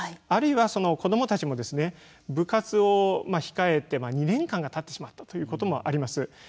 あるいは、その子どもたちも部活を控えて２年間がたってしまったということもあります。